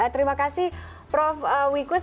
terima kasih prof wikus